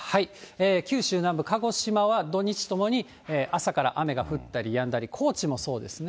九州南部、鹿児島は土日ともに朝から雨が降ったりやんだり、高知もそうですね。